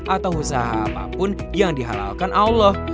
atau usaha apapun yang dihalalkan allah